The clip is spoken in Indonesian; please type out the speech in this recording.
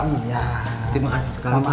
terima kasih sekali pak